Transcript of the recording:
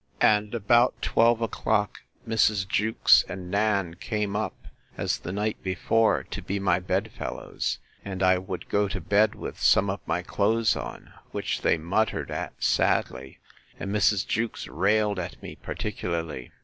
And about twelve o'clock, Mrs. Jewkes and Nan came up, as the night before, to be my bed fellows: and I would go to bed with some of my clothes on: which they muttered at sadly; and Mrs. Jewkes railed at me particularly.